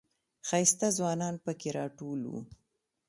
ښایسته ځوانان پکې راټول و.